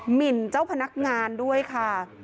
หมินเจ้าพนักงานด้วยค่ะ